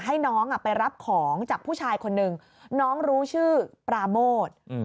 ให้น้องไปรับของจากผู้ชายคนนึงน้องรู้ชื่อปราโมท